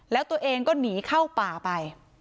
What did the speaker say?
แล้วตัวเองก็หนีเข้าป่าไป